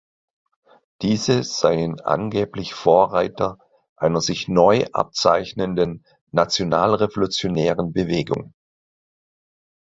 Diese seien angeblich Vorreiter einer sich neu abzeichnenden „Nationalrevolutionären Bewegung“.